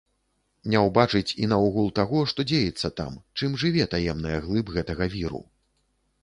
Не ўбачыць і наогул таго, што дзеецца там, чым жыве таемная глыб гэтага віру.